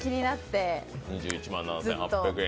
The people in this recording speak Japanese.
２１万７８００円。